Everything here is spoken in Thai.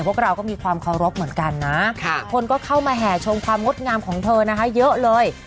พวกเราก็มีความเคารพเหมือนกันนะคนก็เข้ามาแห่ชมความงดงามของเธอนะคะเยอะเลย